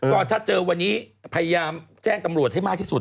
ก็ถ้าเจอวันนี้พยายามแจ้งตำรวจให้มากที่สุด